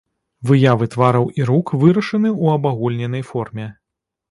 Выявы твараў і рук вырашаны ў абагульненай форме.